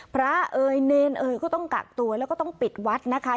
เอ่ยเนรเอ่ยก็ต้องกักตัวแล้วก็ต้องปิดวัดนะคะ